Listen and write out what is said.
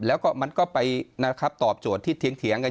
แล้วก็มันก็ไปนะครับตอบโจทย์ที่เถียงกัน